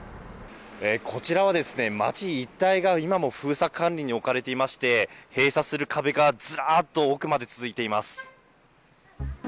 こちらはですね、街一帯が今も封鎖管理に置かれていまして、閉鎖する壁がずらっと奥まで続いています。